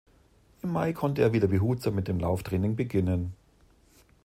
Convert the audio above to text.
Im Mai konnte er wieder behutsam mit dem Lauftraining beginnen.